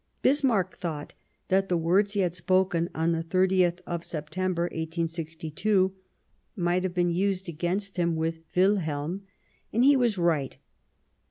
Bismarck thought that the words he had spoken on the 30th of September, 1862, might have been used against him with Wilhelm, and he was right.